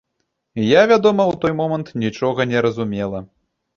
Я, вядома, у той момант нічога не разумела.